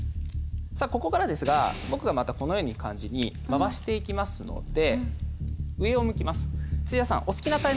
さあここからですが僕がまたこのように感じに回していきますので土屋さん２人とも。